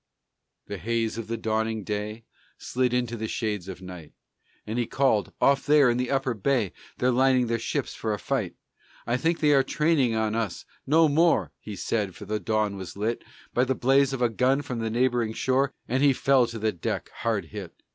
The haze of the dawning day Slid into the shades of night, And he called: "Off there in the upper bay, They're lining their ships for a fight. I think they are training on us " No more He said, for the dawn was lit By the blaze of a gun from the neighboring shore, And he fell to the deck, hard hit.